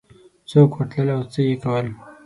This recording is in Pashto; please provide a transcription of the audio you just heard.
څوک ورتلل او څه یې کول